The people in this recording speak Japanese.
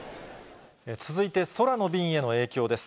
続いて、空の便への影響です。